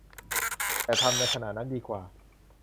แต่ทำในขณะนั้นดีกว่า